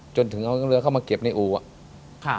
จนถึงเอาเรือเข้ามาเก็บในอู่อ่ะ